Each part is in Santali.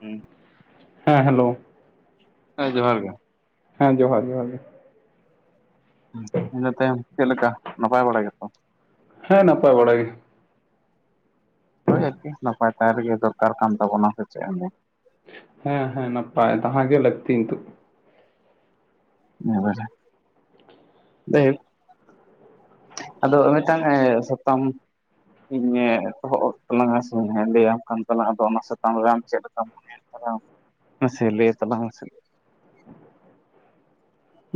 ᱦᱮᱸ ᱦᱮᱸ ᱦᱮᱞᱳ ᱦᱮᱸ ᱡᱚᱦᱟᱨ ᱜᱮ ᱦᱮᱸ ᱡᱚᱦᱟᱨ ᱡᱚᱦᱟᱨ ᱜᱮ ᱤᱱᱟᱹ ᱛᱟᱭᱚᱢ ᱪᱮᱫ ᱞᱮᱠᱟ ᱱᱟᱯᱟᱭ ᱵᱟᱲᱟᱭ ᱜᱮ ᱛᱚ ᱦᱮᱸ ᱱᱟᱯᱟᱭ ᱵᱟᱲᱟ ᱜᱤ ᱦᱳᱭ ᱟᱨ ᱠᱤ ᱱᱟᱯᱟᱭ ᱛᱟᱦᱮ ᱨᱮ ᱜᱮ ᱫᱚᱨᱠᱟᱨ ᱠᱟᱱ ᱛᱟᱵᱚᱱᱟ ᱥᱮ ᱪᱮᱫ ᱮᱢ ᱞᱟᱹᱭᱟ ᱦᱮᱸ ᱦᱮᱸ ᱱᱟᱯᱟᱭ ᱛᱟᱦᱮ ᱜᱮ ᱞᱟᱹᱠᱛᱤ ᱱᱤᱛᱚᱜ ᱮᱠ ᱵᱟᱨᱮ ᱫᱮᱠ ᱟᱫᱚ ᱢᱤᱫᱴᱟᱝ ᱥᱟᱛᱟᱢ ᱤᱧ ᱮ ᱮᱛᱚᱦᱚᱵ ᱮᱫ ᱛᱟᱞᱟᱝᱟ ᱥᱮ ᱞᱟᱹᱭ ᱟᱢ ᱠᱟᱱ ᱛᱟᱞᱟᱝ-ᱟ ᱟᱫᱚ ᱚᱱᱟ ᱥᱟᱛᱟᱢ ᱨᱮ ᱟᱢ ᱪᱮᱫ ᱞᱮᱠᱟᱢ ᱢᱚᱱᱮᱭ-ᱟ ᱞᱟᱡ ᱪᱟᱞᱟᱝ ᱢᱟ ᱥᱮ ᱞᱟᱹᱭ ᱛᱟᱞᱟᱝ ᱢᱮᱥᱮ